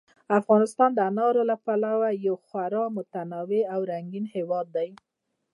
افغانستان د انارو له پلوه یو خورا متنوع او رنګین هېواد دی.